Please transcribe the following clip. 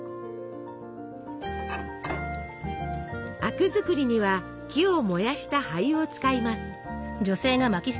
灰汁作りには木を燃やした灰を使います。